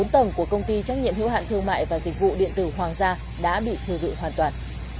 bốn tầng của công ty trách nhiệm hữu hạn thương mại và dịch vụ điện tử hoàng gia đã bị thiêu dụi hoàn toàn